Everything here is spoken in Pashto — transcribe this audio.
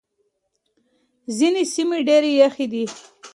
ځينې سيمې ډېرې يخې دي.